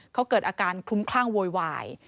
เขาเกิดอาการคลุ้มคลั่งโวยวาย